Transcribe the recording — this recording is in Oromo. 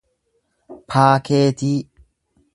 paakeetii